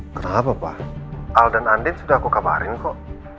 kenapa pak al dan andin sudah aku kabarin kok